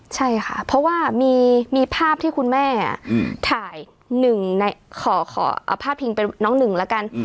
ใช่ค่ะเพราะว่ามีภาพที่คุณแม่ถ่ายหนึ่งขอพาดพิงเป็นน้องหนึ่งแล้วกัน